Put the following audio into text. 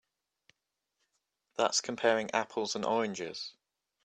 That's comparing apples and oranges.